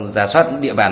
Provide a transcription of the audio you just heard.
giả soát địa bàn